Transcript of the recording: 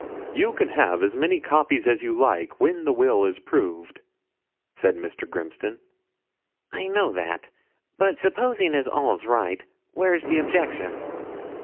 'You can have as many copies as you like when the will is proved,' said Mr. Grimston. 'I know that; but supposing as all's right, where's the objection?'